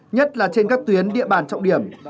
nhất là trên các tuyến địa bàn trọng điểm